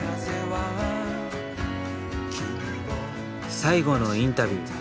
最後のインタビュー。